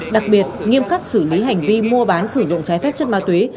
đặc biệt nghiêm khắc xử lý hành vi mua bán sử dụng trái phép chất ma túy